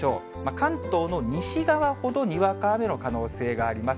関東の西側ほどにわか雨の可能性があります。